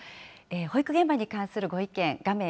保育現場に関するご意見、画面